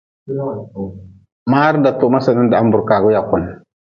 Maar datoma sen dahm burkaagu yakun.